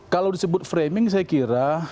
kalau disebut framing saya kira